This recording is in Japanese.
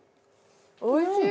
おいしい！